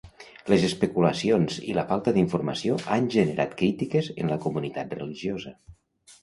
Les especulacions i la falta d'informació han generat crítiques en la comunitat religiosa.